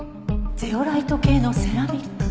ゼオライト系のセラミック。